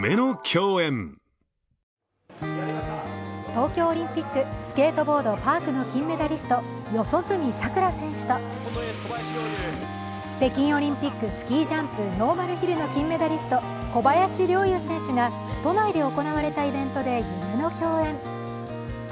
東京オリンピックスケートボード・パークの金メダリスト・四十住さくら選手と北京オリンピック、スキージャンプ・ノーマルヒルの金メダリスト、小林陵侑選手が都内で行われたイベントで夢の共演。